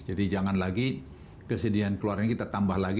jadi jangan lagi kesedihan keluarga kita tambah lagi